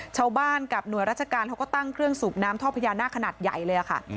ชาวบ้านกับหน่วยราชการเขาก็ตั้งเครื่องสูบน้ำท่อพญานาคขนาดใหญ่เลยค่ะ